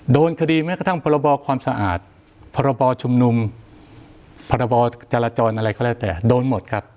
โดนคดีแม้กระทั่งพรบความสะอาดพรบชุมนุมพรบจราจรอะไรก็แล้วแต่โดนหมดครับ